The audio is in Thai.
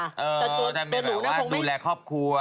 แต่ตัวหนูคงดูแลครอบครัว